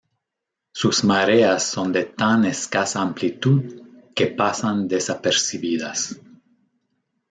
Sus mareas son de tan escasa amplitud que pasan desapercibidas.